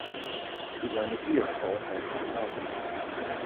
Seine Ehefrau heißt Renate.